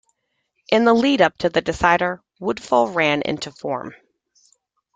In the lead-up to the decider, Woodfull ran into form.